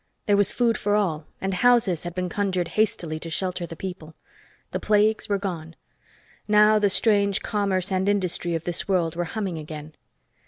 There was food for all, and houses had been conjured hastily to shelter the people. The plagues were gone. Now the strange commerce and industry of this world were humming again.